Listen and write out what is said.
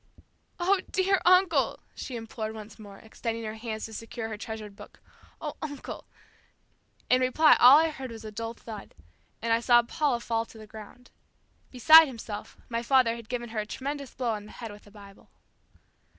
"Oh, dear uncle," she implored once more, extending her hands to secure her treasured book, "oh, uncle." In reply all I heard was a dull thud, and I saw Paula fall to the ground. Beside himself, my father had given her a tremendous blow on the head with the Bible.